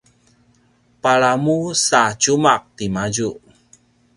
palamu sa tjumaq timadju